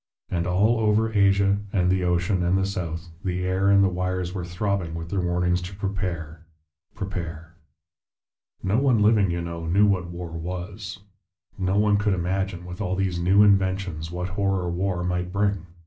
And all over Asia, and the ocean, and the south, the air and the wires were throbbing with their warnings to prepare prepare. "No one living, you know, knew what war was; no one could imagine, with all these new inventions, what horror war might bring.